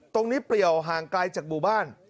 ตรงนี้เปรี่ยวห่างไกลจากบุบัน